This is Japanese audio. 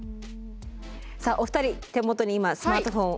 さあお二人手元に今スマートフォンを持って頂いて。